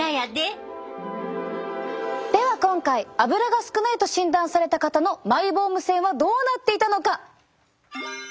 では今回アブラが少ないと診断された方のマイボーム腺はどうなっていたのか。